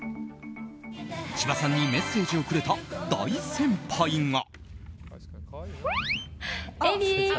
千葉さんにメッセージをくれた大先輩が。